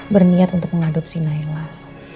berniat untuk mengadopsi nailah